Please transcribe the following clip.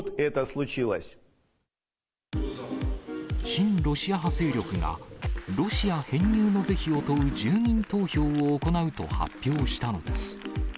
親ロシア派勢力がロシア編入の是非を問う住民投票を行うと発表したのです。